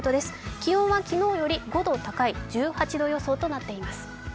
気温は昨日よりも５度高い１８度予想となっています。